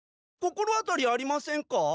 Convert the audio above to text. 心当たりありませんか？